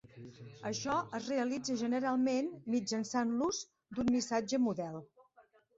Això es realitza generalment mitjançant l'ús d'un missatge model.